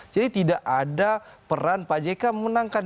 jadi tidak ada peran pak jk memenangkan